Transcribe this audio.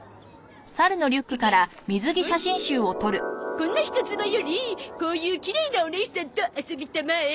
こんな人妻よりこういうきれいなおねいさんと遊びたまえ。